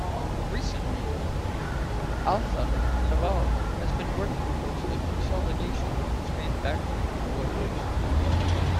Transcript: Recently, Alfa Laval has been working towards the consolidation of its manufacturing of boilers.